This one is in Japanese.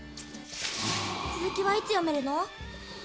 続きはいつ読めるの？